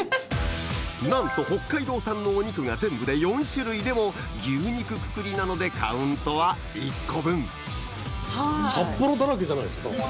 なんと北海道産のお肉が全部で４種類でも牛肉くくりなのでカウントは１個分札幌だらけじゃないですか。